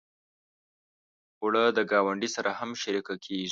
اوړه د ګاونډي سره هم شریکه کېږي